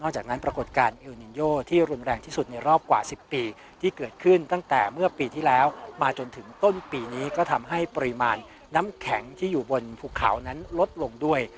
จากนั้นปรากฏการณ์เอลนินโยที่รุนแรงที่สุดในรอบกว่า๑๐ปีที่เกิดขึ้นตั้งแต่เมื่อปีที่แล้วมาจนถึงต้นปีนี้ก็ทำให้ปริมาณน้ำแข็งที่อยู่บนภูเขานั้นลดลงด้วย